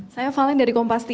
saya valen dari kompas tiga